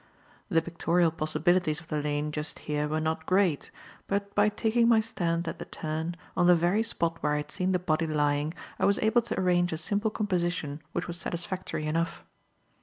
The pictorial possibilities of the lane just here were not great, but by taking my stand at the turn, on the very spot where I had seen the body lying, I was able to arrange a simple composition which was satisfactory enough.